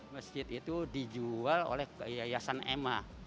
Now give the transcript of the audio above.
masjid itu dijual oleh yayasan emma